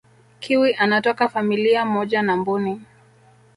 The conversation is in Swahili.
kiwi anatoka familia moja na mbuni